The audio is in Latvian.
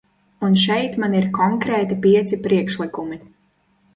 Un šeit man ir konkrēti pieci priekšlikumi.